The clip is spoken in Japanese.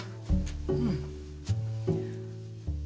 うん。